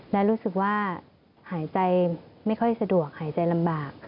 และรู้สึกว่าหายใจไม่ค่อยสะดวกหายใจลำบาก